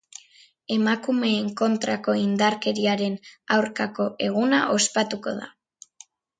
Emakumeen kontrako indarkeriaren aurkako eguna ospatuko da.